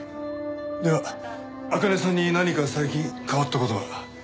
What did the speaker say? では茜さんに何か最近変わった事は？